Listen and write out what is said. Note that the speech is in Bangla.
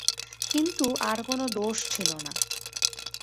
কিন্তু, আর কোনো দোষ ছিল না।